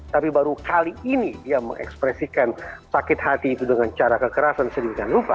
tapi baru kali ini dia mengekspresikan sakit hati itu dengan cara kekerasan sedemikian rupa